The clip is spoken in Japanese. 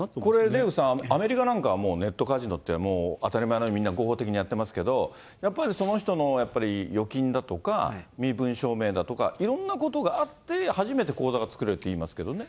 デーブさん、アメリカではネットカジノなんかもう当たり前のように、みんな合法的にやってますけど、やっぱりその人の預金だとか、身分証明だとかいろんなことがあって、初めて口座が作れるっていいますけどね。